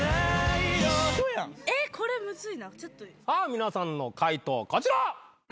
皆さんの解答こちら！